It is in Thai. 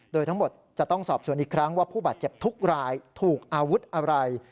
โดยทั้งหมดจะต้องสอบสวนอีกครั้งว่าผู้บาดเจ็บทุกรายถูกอาวุธอะไร